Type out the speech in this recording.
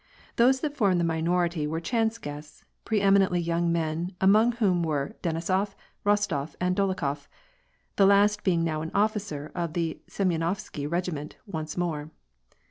^ Those that formed the minority were chance guests, pre em jbently young men, among whom were Denisof, Eostof, and Bolokhof, the last being now an officer of the Semyonovsky Wgiment once more.